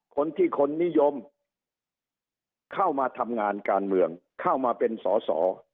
คนที่คนนิยมเข้ามาทำงานการเมืองเข้ามาเป็นสอสอ